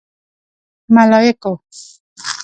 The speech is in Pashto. _ملايکو!